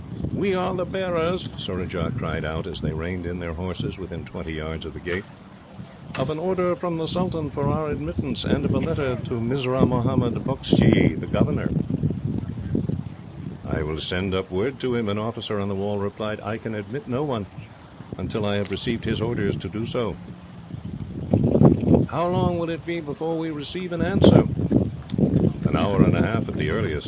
"We are the bearers," Surajah cried out, as they reined in their horses within twenty yards of the gate, "of an order from the sultan for our admittance, and of a letter to Mirzah Mohammed Bukshy, the governor." "I will send up word to him," an officer on the wall replied. "I can admit no one, until I have received his orders to do so." "How long will it be before we receive an answer?" "An hour and a half, at the earliest.